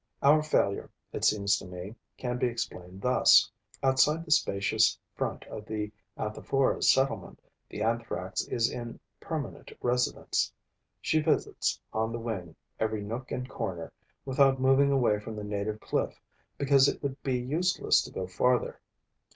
Our failure, it seems to me, can be explained thus: outside the spacious front of the Anthophora's settlement, the Anthrax is in permanent residence. She visits, on the wing, every nook and corner, without moving away from the native cliff, because it would be useless to go farther.